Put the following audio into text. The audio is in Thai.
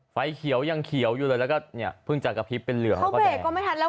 ไฟเขียวยังเขียวอยู่เลยแล้วก็เพิ่งจัดกระพริบเป็นเหลืองแล้วก็แดง